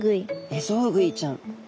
エゾウグイちゃん。